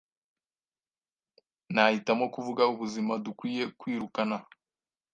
nahitamo kuvuga Ubuzima dukwiye kwirukana